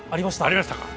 ありましたか。